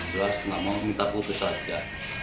jelas nggak mau minta putus saja